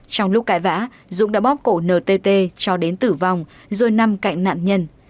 trong lúc cãi vã dũng đã bóp cổ ntt cho đến tử vong rồi nằm cạnh nạn nhân